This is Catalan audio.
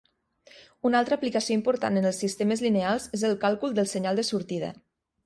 Una altra aplicació important en els sistemes lineals és el càlcul del senyal de sortida.